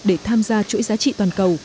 để tham gia chuỗi giá trị toàn cầu